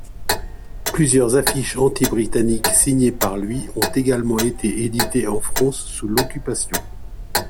Plusieurs affiches anti-britanniques signées par lui ont également été éditées en France sous l'Occupation.